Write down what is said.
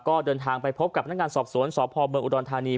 ก็เดินทางไปพบกับพนักงานสอบสวนสพเมืองอุดรธานี